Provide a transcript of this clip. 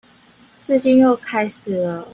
最近又開始了